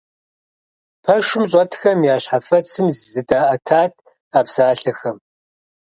Пэшым щӀэтхэм я щхьэфэцым зыдаӀэтат а псалъэхэм.